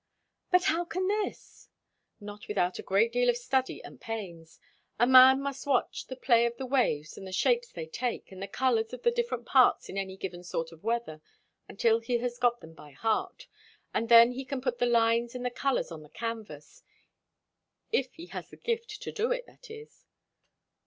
"But how can this?" "Not without a great deal of study and pains. A man must watch the play of the waves and the shapes they take, and the colours of the different parts in any given sort of weather, until he has got them by heart; and then he can put the lines and the colours on the canvas. If he has the gift to do it, that is."